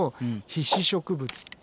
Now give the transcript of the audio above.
被子植物。